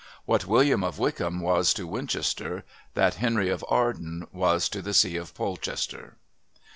What William of Wykeham was to Winchester, that Henry of Arden was to the See of Polchester.